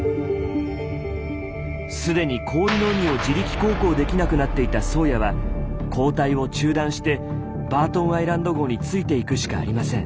既に氷の海を自力航行できなくなっていた「宗谷」は交代を中断して「バートンアイランド号」についていくしかありません。